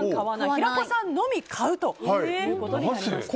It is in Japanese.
平子さんのみ買うということになりました。